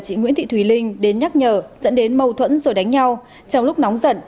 chị nguyễn thị thùy linh đến nhắc nhở dẫn đến mâu thuẫn rồi đánh nhau trong lúc nóng giận